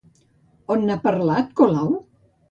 On n'ha parlat, Colau?